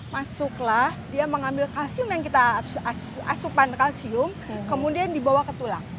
masuklah dia mengambil asupan kalsium kemudian dibawa ke tulang